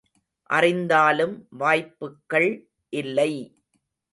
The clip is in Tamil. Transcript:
அறிந்தாலும் வாய்ப்புக்கள் இல்லை!